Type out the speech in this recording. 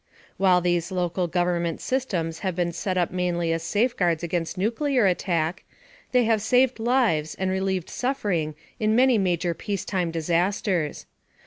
While these local government systems have been set up mainly as safeguards against nuclear attack, they have saved lives and relieved suffering in many major peacetime disasters.